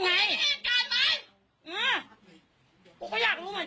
นี่รถไหม